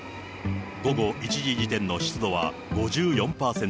午後１時時点の湿度は５４％。